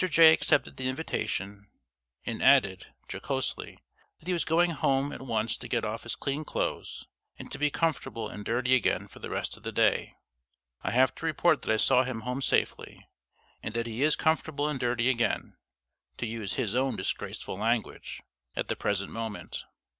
Jay accepted the invitation, and added, jocosely, that he was going home at once to get off his clean clothes, and to be comfortable and dirty again for the rest of the day. I have to report that I saw him home safely, and that he is comfortable and dirty again (to use his own disgraceful language) at the present moment.